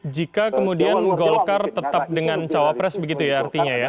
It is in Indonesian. jika kemudian golkar tetap dengan cawapres begitu ya artinya ya